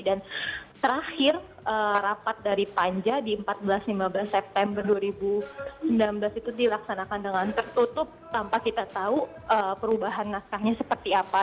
dan terakhir rapat dari panja di empat belas lima belas september dua ribu sembilan belas itu dilaksanakan dengan tertutup tanpa kita tahu perubahan naskahnya seperti apa